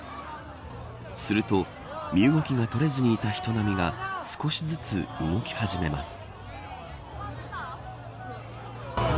すると、身動きが取れずにいた人波が少しずつ動き始めます。